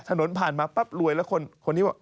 ถนนผ่านมาปั๊บรวยแล้วคนนี้บอก